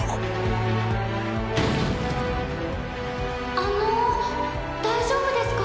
あの大丈夫ですか？